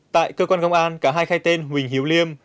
tại cơ quan công an cả hai khai tên huỳnh hiếu liêm